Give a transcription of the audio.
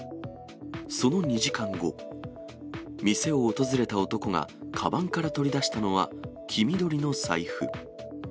その２時間後、店を訪れた男がかばんから取り出したのは黄緑の財布。